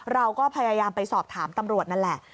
เราก็พยายามไปสอบถามตำรวจนั่นแหละ